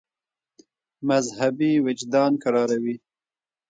مذهبي وجدان کراروي.